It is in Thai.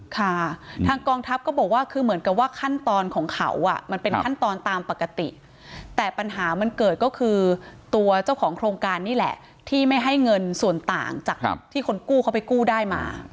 ค่ะทางกองทัพก็บอกว่าคือเหมือนกับว่าขั้นตอนของเขามันเป็นขั้นตอนตามปกติแต่ปัญหามันเกิดก็คือตัวเจ้าของโครงการนี่แหละที่ไม่ให้เงินส่วนต่างจากที่คนกู้เขาไปกู้ได้มา